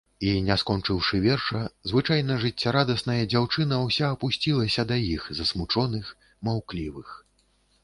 І, не скончыўшы верша, звычайна жыццярадасная дзяўчына ўся апусцілася да іх, засмучоных, маўклівых.